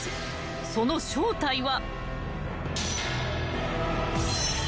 ［その正体は］